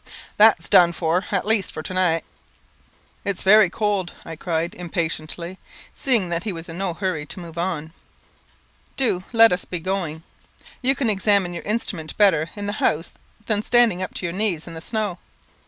That's done for, at least for to night." "It's very cold," I cried, impatiently, seeing that he was in no hurry to move on. "Do let us be going. You can examine your instrument better in the house than standing up to your knees in the snow."